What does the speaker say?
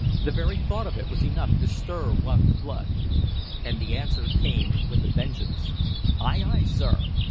The very thought of it was enough to stir one's blood. And the answer came with a vengeance. "Ay, ay, sir!"